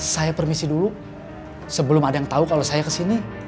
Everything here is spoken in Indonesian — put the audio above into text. saya permisi dulu sebelum ada yang tahu kalau saya kesini